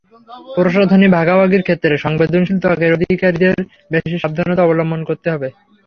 প্রসাধনী ভাগাভাগির ক্ষেত্রে সংবেদনশীল ত্বকের অধিকারীদের বেশি সাবধানতা অবলম্বন করতে হবে।